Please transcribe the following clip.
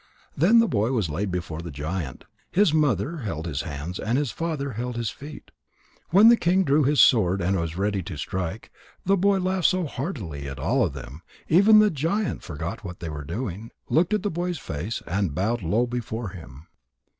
Then the boy was laid before the giant. His mother held his hands, and his father held his feet. When the king drew his sword and was ready to strike, the boy laughed so heartily that all of them, even the giant, forgot what they were doing, looked at the boy's face, and bowed low before him.